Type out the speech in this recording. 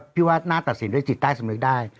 พี่ว่าน่าตัดสินด้วยจิตใต้สำนึกได้